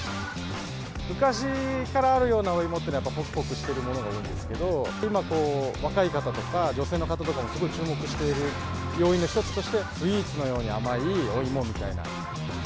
昔からあるようなお芋ってのは、やっぱりほくほくしているものが多いんですけど、今、若い方とか女性の方とかもすごい注目している要因の一つとして、スイーツのように甘いお芋みたいな。